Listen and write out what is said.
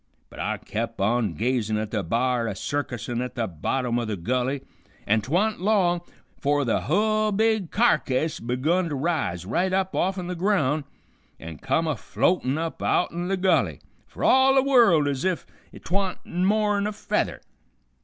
But I kep' on gazin' at the b'ar a circusin' at the bottom o' the gulley, an 't wa'n't long 'fore the hull big carcase begun to raise right up offen the ground an' come a floatin' up outen the gulley, fer all the world ez if 't wa'n't more'n a feather.